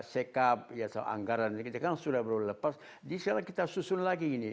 sekap ya soal anggaran kita kan sudah baru lepas jadi sekarang kita susun lagi ini